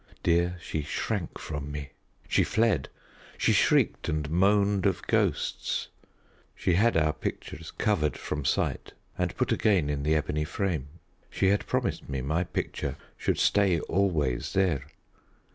Dear, she shrank from me, she fled, she shrieked and moaned of ghosts. She had our pictures covered from sight and put again in the ebony frame. She had promised me my picture should stay always there.